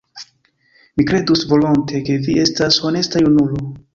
Mi kredus volonte, ke vi estas honesta junulo.